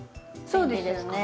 そうですよね。